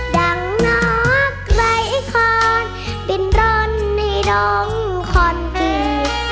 ดังหนอกรายขอนบินรอนให้ดมขอนกี่